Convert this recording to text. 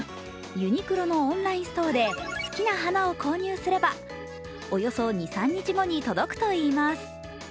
ユニクロのオンラインストアで好きな花を購入すればおよそ２３日後に届くといいます。